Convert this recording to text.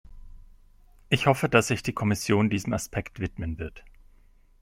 Ich hoffe, dass sich die Kommission diesem Aspekt widmen wird.